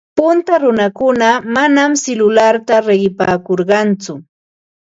Punta runakuna manam silularta riqipaakurqatsu.